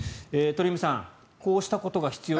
鳥海さん、こうしたことが必要